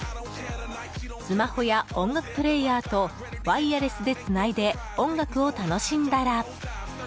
スマホや音楽プレイヤーとワイヤレスでつないで音楽を楽しんだら。